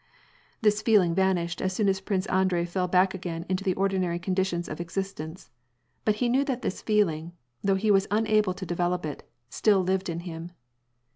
This feeling vanished as soon as Prince Andrei fell back again into the ordinary conditions of existence, but he knew that this feeling, though he was unable to develop it, still lived in him.